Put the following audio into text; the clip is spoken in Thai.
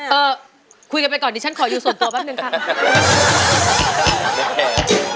เออคุยกันไปก่อนดิฉันขออยู่ส่วนตัวแป๊บนึงค่ะ